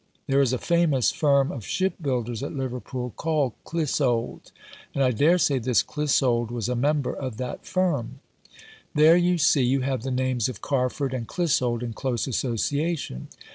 There is a famous firm of shipbuilders at Liverpool called Clissokl, and I dare say this Clissold was a member o( that 308 What he Meant to Do, firm. There, you see, you have the names of Carford and Clissold in close association.